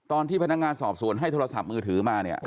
ตอนที่พนักงานสอบสวนให้โทรศัพท์มือถือมาเนี่ย